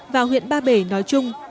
và huyện ba bể nói chung